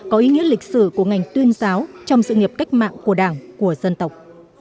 có ý nghĩa lịch sử của ngành tuyên giáo trong sự nghiệp cách mạng của đảng của dân tộc